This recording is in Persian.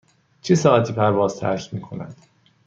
چه ساعتی پرواز ترک می کند؟